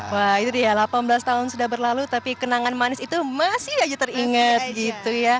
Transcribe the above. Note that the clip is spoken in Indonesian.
wah itu dia delapan belas tahun sudah berlalu tapi kenangan manis itu masih aja teringat gitu ya